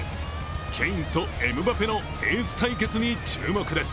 ケインとエムバペのエース対決に注目です。